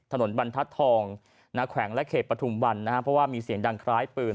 ถนนบรรทัศน์นาขแขวงและเขตปทุมวัลนะฮะเพราะว่ามีเสียงดังคล้ายปืน